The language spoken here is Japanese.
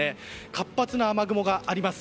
活発な雨雲があります。